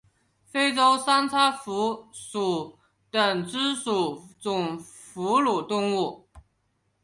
非洲三叉蝠属等之数种哺乳动物。